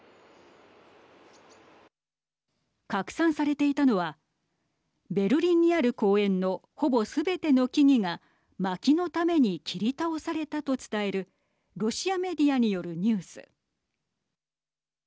拡散されていたのはベルリンにある公園のほぼすべての木々がまきのために切り倒されたと伝えるロシアメディアによるニュース。